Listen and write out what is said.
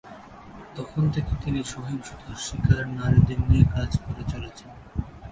তখন থেকে তিনি সহিংসতার শিকার নারীদের নিয়ে কাজ করে চলেছেন।